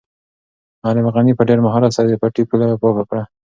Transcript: معلم غني په ډېر مهارت سره د پټي پوله پاکه کړه.